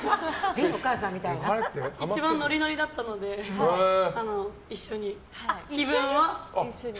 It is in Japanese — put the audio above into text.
一番ノリノリだったので自分も一緒に。